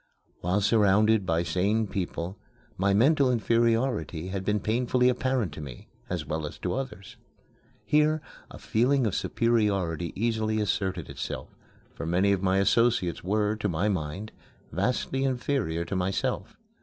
While surrounded by sane people my mental inferiority had been painfully apparent to me, as well as to others. Here a feeling of superiority easily asserted itself, for many of my associates were, to my mind, vastly inferior to myself.